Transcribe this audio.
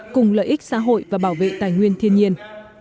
cùng lợi ích xã hội và bảo vệ tài nguyên thiên nhiên